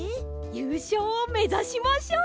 ゆうしょうをめざしましょう！